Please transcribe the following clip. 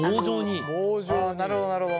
ああなるほどなるほど。